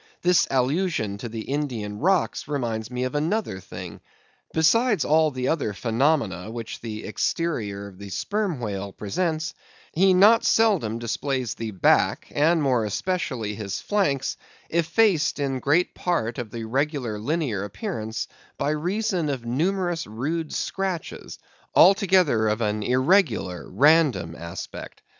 This allusion to the Indian rocks reminds me of another thing. Besides all the other phenomena which the exterior of the Sperm Whale presents, he not seldom displays the back, and more especially his flanks, effaced in great part of the regular linear appearance, by reason of numerous rude scratches, altogether of an irregular, random aspect.